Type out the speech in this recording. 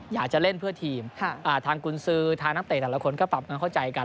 อยากจะเล่นเพื่อทีมทางกุญสือทางนักเตะแต่ละคนก็ปรับความเข้าใจกัน